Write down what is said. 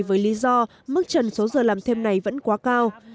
với lý do mức trần số giờ làm thêm này vẫn quá cao